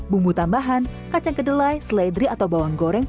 bumbu tambahan kacang kedelai seledri atau bawang goreng